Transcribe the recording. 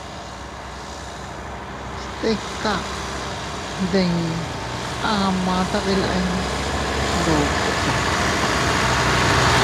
Stika diii ama tadili ndokota.